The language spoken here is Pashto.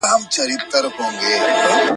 تور او سپین د سترګو دواړه ستا پر پل درته لیکمه !.